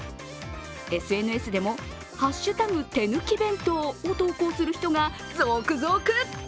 ＳＮＳでも、「＃手抜き弁当」を投稿する人が続々。